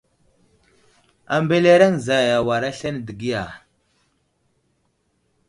A mbelereŋ zay awar aslane dəgiya.